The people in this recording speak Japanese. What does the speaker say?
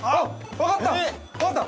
分かった！